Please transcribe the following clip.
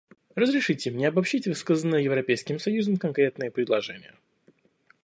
Разрешите мне обобщить высказанные Европейским союзом конкретные предложения.